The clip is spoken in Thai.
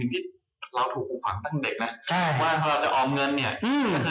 ต้องถูกคุมของตั้งเด็กนะฮะ